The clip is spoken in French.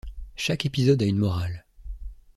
Chaque épisode a une morale.